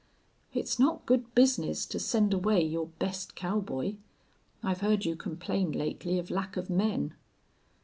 "It's not good business to send away your best cowboy. I've heard you complain lately of lack of men."